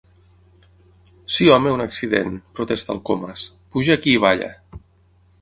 Sí home, un accident! —protesta el Comas— Puja aquí i balla.